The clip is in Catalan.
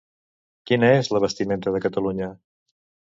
Quina és la vestimenta de Catalunya?